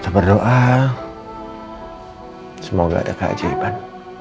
berdoa semoga ada keajaiban